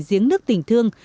diếng nước tỉnh thương